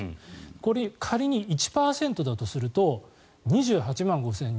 これ仮に１％だとすると２８万５０００人。